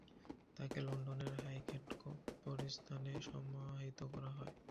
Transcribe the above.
তাকে লন্ডনের হাইগেট কবরস্থানে সমাহিত করা হয়।